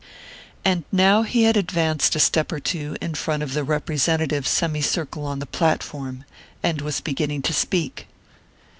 And now he had advanced a step or two in front of the "representative" semi circle on the platform, and was beginning to speak.